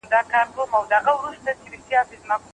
آیا ته په مسايلو کي خپل نظر لرې؟